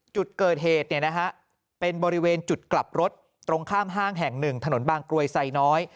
จุดเกิดเหตุเป็นบริเวณจุดกลับรถตรงข้ามห้างแห่งหนึ่งถนนบางกรวยไซน้อย